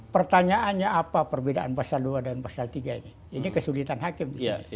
pertanyaannya apa perbedaan pasal dua dan pasal tiga ini ini kesulitan hakim